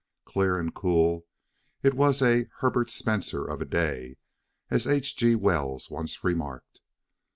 Clear and cool, it was "a Herbert Spencer of a day," as H. G. Wells once remarked.